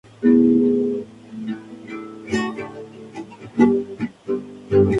Su experiencia en Francia les sirve para la actividad de educadores que retoman inmediatamente.